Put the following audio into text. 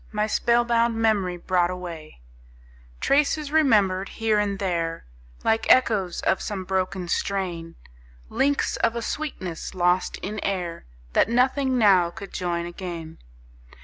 My spell bound memory brought away; Traces, remembered here and there, Like echoes of some broken strain; Links of a sweetness lost in air, That nothing now could join again.